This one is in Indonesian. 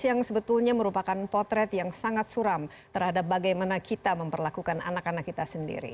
yang sebetulnya merupakan potret yang sangat suram terhadap bagaimana kita memperlakukan anak anak kita sendiri